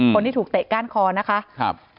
คนที่ถูกเตะก้านคอนะคะ